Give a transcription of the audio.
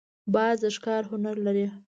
باز د ښکار هنر لري